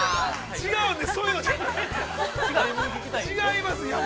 ◆違います。